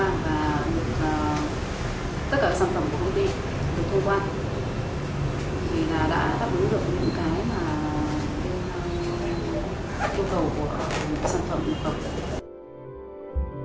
thì là đã đáp ứng được những cái mà yêu cầu của sản phẩm